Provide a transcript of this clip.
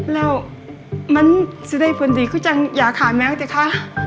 แล้วมันจะได้ผลดีกว่าจังยาข้ามแม็กซ์เนี่ยคะ